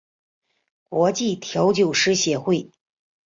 国际调酒师协会